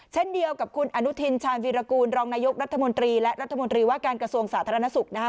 เช่นเดียวกับคุณอนุทินชาญวีรกูลรองนายกรัฐมนตรีและรัฐมนตรีว่าการกระทรวงสาธารณสุขนะครับ